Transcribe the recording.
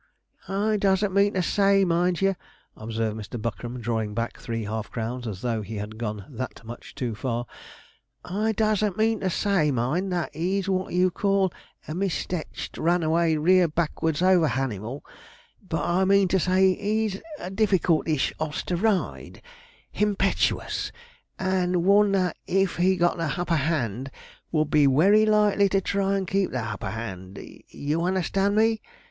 'I doesn't mean to say, mind ye,' observed Mr. Buckram, drawing back three half crowns, as though he had gone that much too far, 'I doesn't mean to say, mind, that he's wot you call a misteched, runaway, rear backwards over hanimal but I mean to say he's a difficultish oss to ride himpetuous and one that, if he got the hupper 'and, would be werry likely to try and keep the hupper 'and you understand me?'